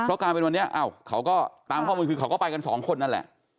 เพราะกลายเป็นวันนี้เขาก็ตามข้อมูลคือเขาก็ไปกันสองคนนั่นแหละ